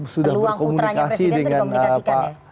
sudah berkomunikasi dengan pak